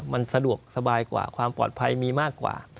มันสะดวกสบายกว่าความปลอดภัยมีมากกว่า